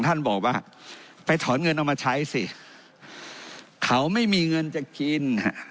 ท่านบอกว่าไปถอนเงินเอามาใช้สิเขาไม่มีเงินจะกิน